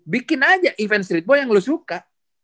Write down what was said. bikin aja event streetball yang lo suka